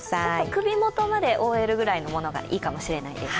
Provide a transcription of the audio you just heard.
首元まで覆えるぐらいのものがいいかもしれないです。